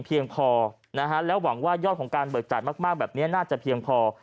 เพียงพอแล้วหวังว่ายอดของการบริจาคมากแบบนี้น่าจะเพียง